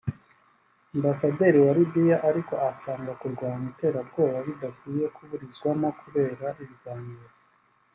Ambasaderi wa Libya ariko asanga kurwanya iterabwoba bidakwiye kuburizwamo kubera ibiganiro